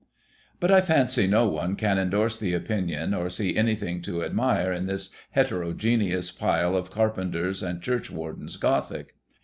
but I fancy no one can endorse the opinion, or see anything to admire in this heterogeneous pile of Carpenter's and Churchwarden's Gothic.